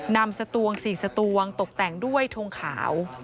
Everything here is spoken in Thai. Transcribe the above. นำสตวง๔สตวงตกแต่งด้วยทงขาว